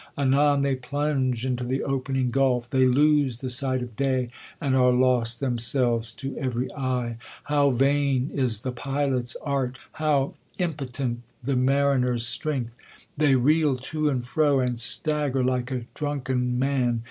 Anon they plunge into the opening gulf; they lose the sight of day ; and 'ire lost themselves to every eye. How vahi is the pilot's art; how impotent the mart vcr^s strength !They nrcl tq and fro, and staggei lik^ THE COLUMBIAN ORATOR. 7^ like a drunken man.'